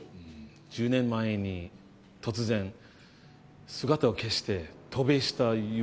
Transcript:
１０年前に突然姿を消して渡米した悠也さんです。